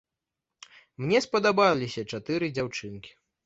Мне спадабаліся чатыры дзяўчынкі.